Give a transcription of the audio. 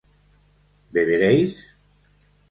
¿beberéis?